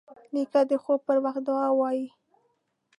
نیکه د خوب پر وخت دعا وايي.